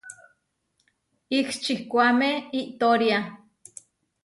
Ihčikuáme iʼtória.